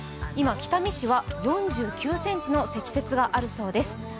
今、北見市は４９ｃｍの積雪があるそうです。